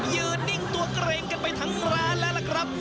ยืนนิ่งตัวเกรงกันไปทั้งร้านแล้วล่ะครับ